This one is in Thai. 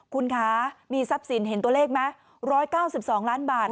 คุณคะมีทรัพย์สินเห็นตัวเลขไหม๑๙๒ล้านบาท